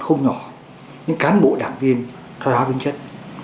nhưng vẫn không nhỏ những cán bộ đảng viên thói hóa vinh chất